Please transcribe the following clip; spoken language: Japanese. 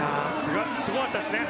すごかったです。